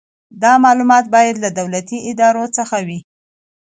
دا معلومات باید له دولتي ادارو څخه وي.